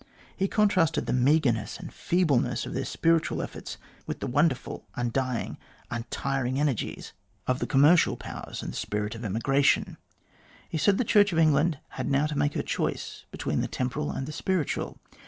He contrasted the meagreness and feebleness of their spiritual efforts with the wonderful, undying, untiring energies of the commercial 234 THE GLADSTONE COLONY powers and the spirit of emigration. He said the Church of England had now to make her choice between the temporal and the spiritual.